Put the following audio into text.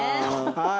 はい。